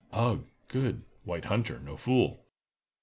"Ugh! good—white hunter no fool!"